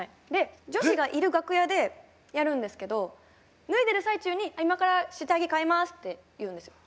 女子がいる楽屋でやるんですけど脱いでる最中に「今から下着替えます」って言うんですよ。